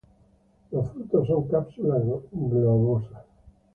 Los frutos son cápsulas globosas.